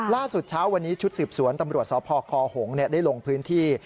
ล่าสุดเช้าวันนี้ชุดสืบสวนตำรวจสพคหงษ์ได้ลงพื้นที่